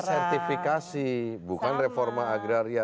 ini sertifikasi bukan reform agraria